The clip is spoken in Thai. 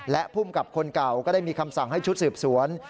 และภูมิกับคนเก่าก็ได้มีคำสั่งให้ชุดสืบสวน